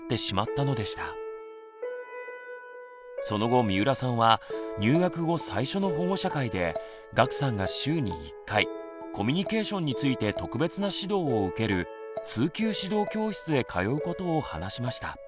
その後三浦さんは入学後最初の保護者会で岳さんが週に１回コミュニケーションについて特別な指導を受ける「通級指導教室」へ通うことを話しました。